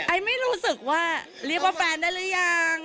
ไม่รู้สึกว่าเรียกว่าแฟนได้หรือยัง